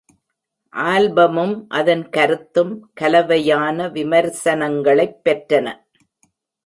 ஆல்பமும் அதன் கருத்தும் கலவையான விமர்சனங்களைப் பெற்றன.